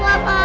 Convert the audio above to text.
aku gak tahu